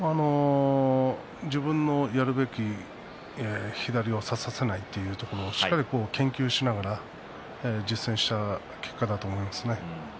自分のやるべき左を差させないというしっかりと研究をしながら実践した結果だと思います。